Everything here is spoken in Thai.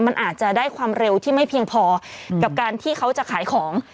มันอาจจะได้ความเร็วที่ไม่เพียงพอกับการที่เขาจะขายของ